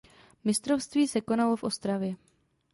Mistrovství se konalo v Ostravě.